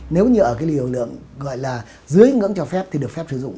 nếu như ở cái liều lượng gọi là dưới ngưỡng cho phép thì được phép sử dụng